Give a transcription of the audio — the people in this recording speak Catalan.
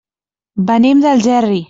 Venim d'Algerri.